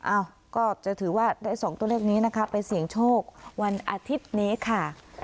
อ้าวก็จะถือว่าได้สองตัวเลขนี้นะคะไปเสี่ยงโชควันอาทิตย์นี้ค่ะ